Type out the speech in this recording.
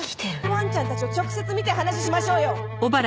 わんちゃんたちを直接見て話しましょうよ！